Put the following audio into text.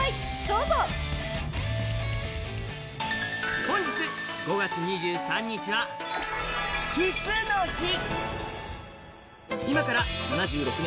どうぞ本日５月２３日は「キスの日」